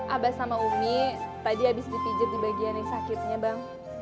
abah sama umi tadi habis dipijit di bagian yang sakitnya bang